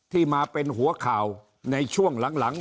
ที่มาเป็นหัวข่าวในช่วงหลัง